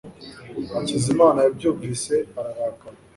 hakizimana yabyumvise ararakara